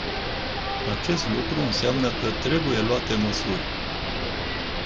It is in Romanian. Acest lucru înseamnă că trebuie luate măsuri.